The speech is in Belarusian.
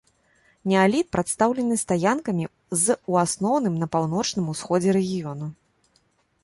Неаліт прадстаўлены стаянкамі з ў асноўным на паўночным усходзе рэгіёну.